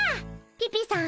ピピさん